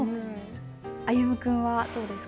歩夢君はどうですか？